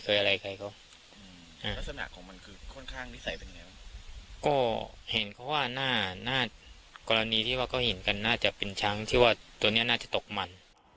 ก็เห็นเขาว่าในกรณีที่ว่าก็เห็นกันน่าจะเป็นช้างที่ว่าตัวนี้น่าจะตกมัน